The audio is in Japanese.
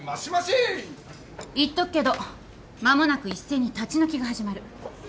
言っとくけど間もなく一斉に立ち退きが始まる。